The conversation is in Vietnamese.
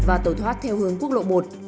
và tẩu thoát theo hướng quốc lộ một